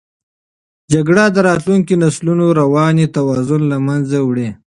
جګړه د راتلونکو نسلونو رواني توازن له منځه وړي.